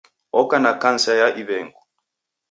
Oka na kansa ya iw'engu.